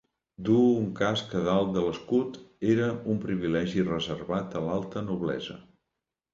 Dur un casc a dalt de l'escut era un privilegi reservat a l'alta noblesa.